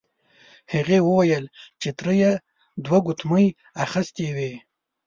هغې وویل چې تره یې دوه ګوتمۍ اخیستې وې.